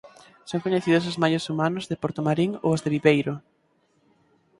Son coñecidos os maios humanos de Portomarín ou os de Viveiro.